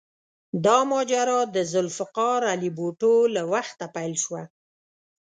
دا ماجرا د ذوالفقار علي بوټو له وخته پیل شوه.